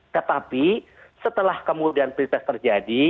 tetapi setelah kemudian pilpres terjadi